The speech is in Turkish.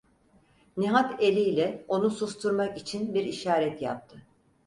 Nihat eliyle onu susturmak için bir işaret yaptı: